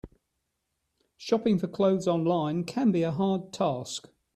Shopping for clothes online can be a hard task.